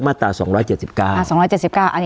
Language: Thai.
การแสดงความคิดเห็น